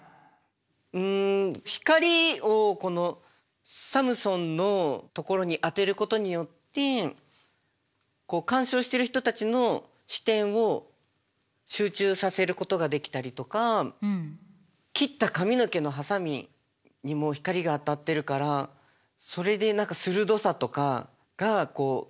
うん光をこのサムソンのところに当てることによってこう鑑賞している人たちの視点を集中させることができたりとか切った髪の毛のはさみにも光が当たってるからそれで何か鋭さとかがこう強調されてる感じがしました。